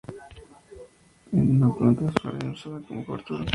Es una planta de jardín usada como cobertura del suelo.